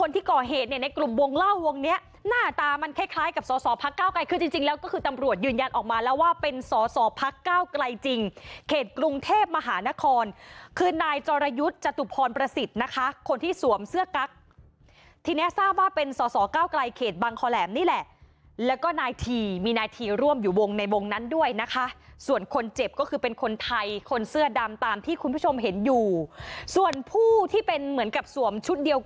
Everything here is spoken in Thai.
เป็นสอสอพักเก้าไกลจริงเขตกรุงเทพมหานครคือนายจรยุทธ์จตุพรประสิทธิ์นะคะคนที่สวมเสื้อกั๊กทีนี้ทราบว่าเป็นสอสอเก้าไกลเขตบังคลแหลมนี่แหละแล้วก็นายทีมีนายทีร่วมอยู่วงในวงนั้นด้วยนะคะส่วนคนเจ็บก็คือเป็นคนไทยคนเสื้อดำตามที่คุณผู้ชมเห็นอยู่ส่วนผู้ที่เป็นเหมือนกับสวมชุดเดี